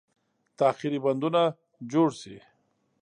تاخیري بندونه جوړ شي.